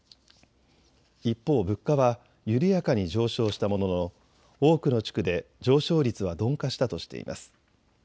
一方、物価は緩やかに上昇したものの多くの地区で上昇率は鈍化したとしています。